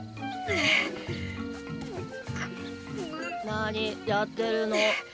なにやってるの。